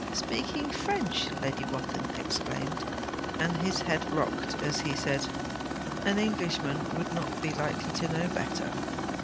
'Speaking French!' Lady Wathin exclaimed; and his head rocked, as he said: 'An Englishman would not be likely to know better.'